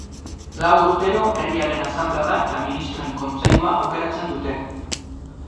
Lau urtero Herriaren Asanblada eta Ministroen Kontseilua aukeratzen dute.